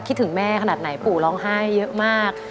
คิดถึงแม่ขนาดไหนปู่ร้องไห้เยอะมาก